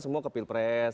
semua ke pilpres